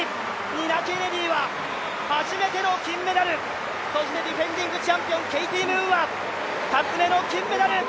ニナ・ケネディは初めての金メダル、そしてディフェンディングチャンピオン、ケイティ・ムーンは２つ目の金メダル！